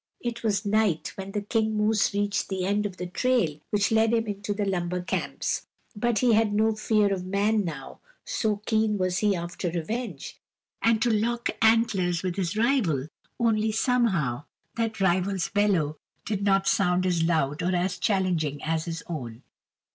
It was night when the King Moose reached the end of the trail, which led him into the lumber camps; but he had no fear of man now, so keen was he after revenge, and to lock antlers with his rival; only, somehow, that rival's bellow did not sound as loud or as challenging as his own.